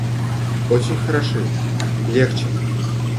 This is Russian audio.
Очень хороши, легче.